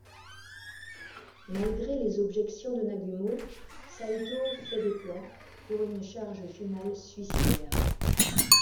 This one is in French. Malgré les objections de Nagumo, Saito fait des plans pour une charge finale suicidaire.